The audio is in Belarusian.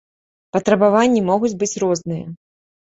Патрабаванні могуць быць розныя.